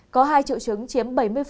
có hai triệu chứng chiếm bảy mươi